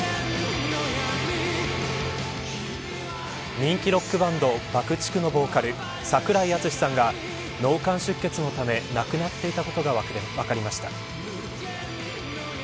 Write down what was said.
人気ロックバンドＢＵＣＫ−ＴＩＣＫのボーカル櫻井敦司さんが脳幹出血のため亡くなっていたことが分かりました。